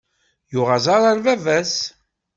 Yuɣ aẓaṛ ar bab-as.